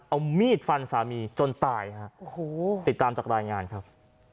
เอามีดฟันสามีจนตายฮะโอ้โหติดตามจากรายงานครับ